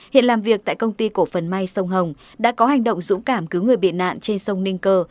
hiện làm việc tại công ty cổ phần may sông hồng đã có hành động dũng cảm cứu người bị nạn trên sông ninh cơ